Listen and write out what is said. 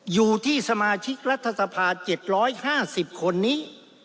อยู่ที่สมาชิกรัฐสภา๗๕๐คนนี้